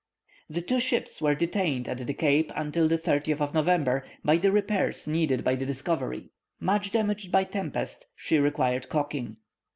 The two ships were detained at the Cape until the 30th of November, by the repairs needed by the Discovery. Much damaged by tempest, she required calking.